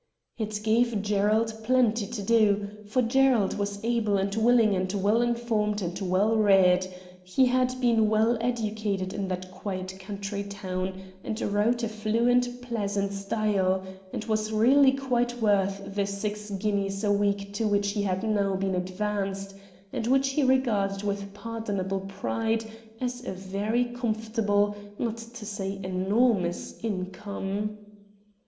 It gave Gerald plenty to do, for Gerald was able and willing and well informed and weU read — he had been well educated in that quiet country town — and wrote a fluent, pleasant style, and was really quite worth the six guineas a week to which he had now been advanced, and which he regarded with pardon able pride as a very comfortable, not to say enormous, income.